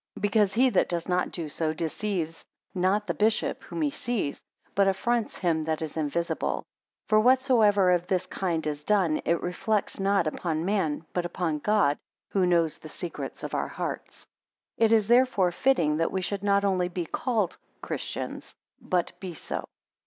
8 Because he that does not do so, deceives not the bishop whom he sees, but affronts him that is invisible. For whatsoever of this kind is done, it reflects not upon man, but upon God, who knows the secrets of our hearts. 9 It is therefore fitting, that we should not only be called christians, but be so.